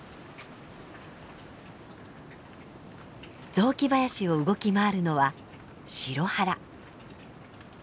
雑木林を動き回るのはシロハラ。